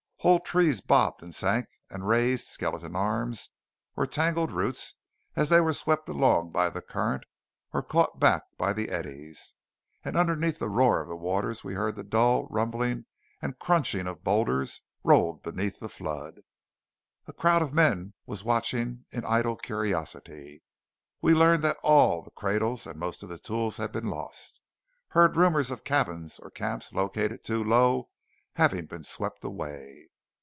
Whole trees bobbed and sank and raised skeleton arms or tangled roots as they were swept along by the current or caught back by the eddies; and underneath the roar of the waters we heard the dull rumbling and crunching of boulders rolled beneath the flood. A crowd of men was watching in idle curiosity. We learned that all the cradles and most of the tools had been lost; and heard rumours of cabins or camps located too low having been swept away.